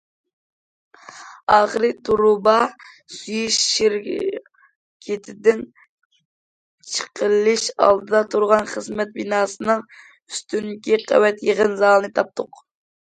ئاخىرى تۇرۇبا سۈيى شىركىتىدىن چېقىلىش ئالدىدا تۇرغان خىزمەت بىناسىنىڭ ئۈستۈنكى قەۋەت يىغىن زالىنى تاپتۇق.